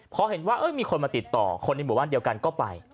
พอเห็นว่ามีคนมาติดต่อคนในหมู่บ้านเดียวกันก็ไป